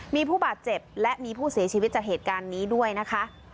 มีผู้บาดเจ็บและมีผู้เสียชีวิตจากเหตุการณ์นี้ด้วยนะคะ